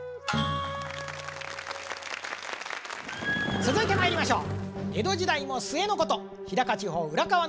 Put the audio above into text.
続いてまいりましょう。